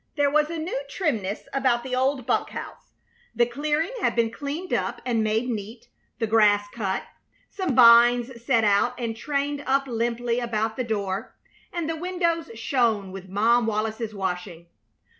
There was a new trimness about the old bunk house. The clearing had been cleaned up and made neat, the grass cut, some vines set out and trained up limply about the door, and the windows shone with Mom Wallis's washing.